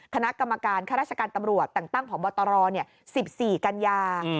คณะกรรมการคณะราชการตำรวจต่างของบตร๑๔กัญญา